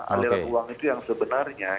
aliran uang itu yang sebenarnya